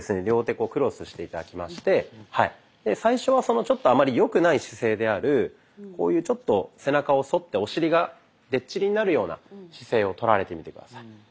両手クロスして頂きまして最初はあまり良くない姿勢であるこういうちょっと背中を反ってお尻が出っ尻になるような姿勢をとられてみて下さい。